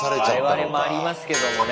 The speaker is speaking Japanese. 我々もありますけどもね。